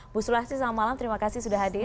bu sulasti selamat malam terima kasih sudah hadir